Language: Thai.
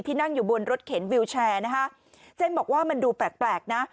นั่งอยู่บนรถเข็นวิวแชร์นะคะเจนบอกว่ามันดูแปลกแปลกนะ